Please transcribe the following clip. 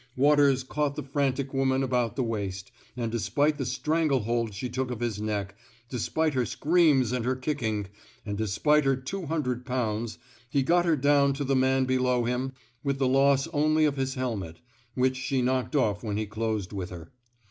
Waters caught the frantic woman about the waist, and despite the strangle hold she took of his neck, despite her screams and her kickings, and despite her two hundred pounds, he got her down to the man below him with the loss only of his helmet, which she knocked off when he closed with her.